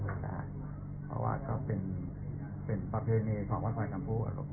เพราะว่าก็เป็นประเทศนีย์ของบริษัทธรรมภูมิ